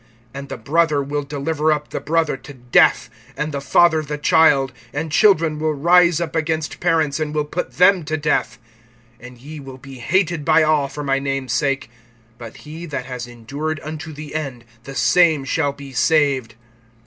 (12)And the brother will deliver up the brother to death, and the father the child; and children will rise up against parents, and will put them to death. (13)And ye will be hated by all for my name's sake; but he that has endured unto the end, the same shall be saved.